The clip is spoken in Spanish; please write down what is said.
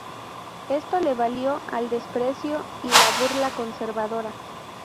Esto le valió el desprecio y la burla conservadora.